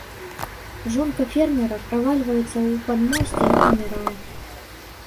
Жонка фермера правальваецца ў падмосце і памірае.